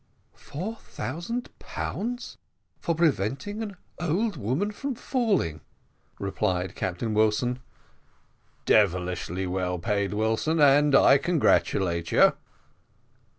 "Four thousand pounds for preventing an old woman from falling," replied Captain Wilson. "Devilish well paid, Wilson, and I congratulate you."